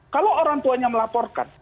kalau orang tuanya melaporkan